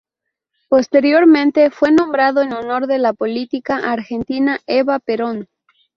Posteriormente fue nombrado en honor de la política argentina Eva Perón.